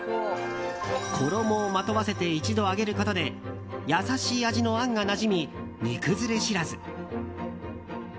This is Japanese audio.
衣をまとわせて一度揚げることで優しい味のあんがなじみ煮崩れ知らず。